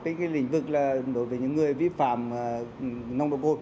những lĩnh vực đối với những người vi phạm nông độc ô